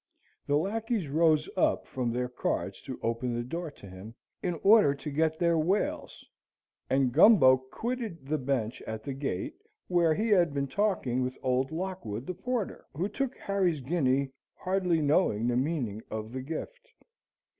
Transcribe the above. The lackeys rose up from their cards to open the door to him, in order to get their "wails," and Gumbo quitted the bench at the gate, where he had been talking with old Lockwood, the porter, who took Harry's guinea, hardly knowing the meaning of the gift.